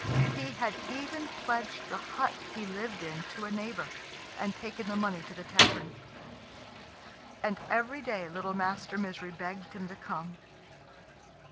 He had even pledged the hut he lived in to a neighbour, and taken the money to the tavern. And every day little Master Misery begged him to come.